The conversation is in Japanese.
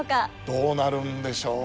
どうなるんでしょう？